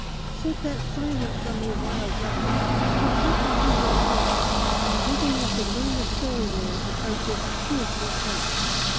"Shake that silence from you, wild man! I have looked into your face, Hoping I should learn the story there about this fearful place.